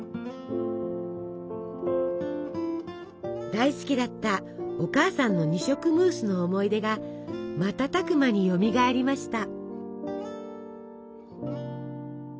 大好きだったお母さんの二色ムースの思い出が瞬く間によみがえりました。